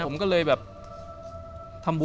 ผมก้เลยแบบ